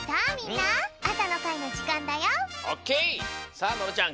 さあ野呂ちゃん